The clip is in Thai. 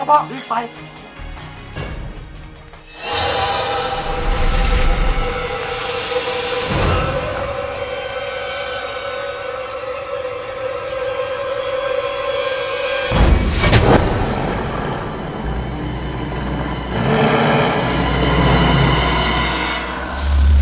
เห็นพอครับพ่อ